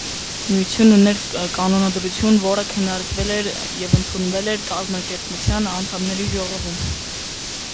Միությունն ուներ կանոնադրություն, որը քննարկվել և ընդունվել էր կազմակերպության անդամների ժողովում։